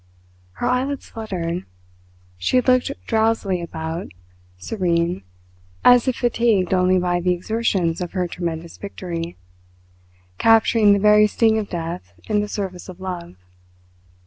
Her eyelids fluttered. She looked drowsily about, serene, as if fatigued only by the exertions of her tremendous victory, capturing the very sting of death in the service of love.